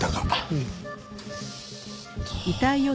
うん。